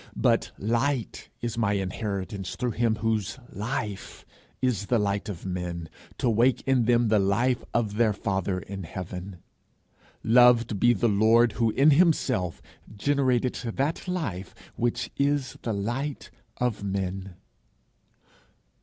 But light is my inheritance through him whose life is the light of men, to wake in them the life of their father in heaven. Loved be the Lord who in himself generated that life which is the light of men!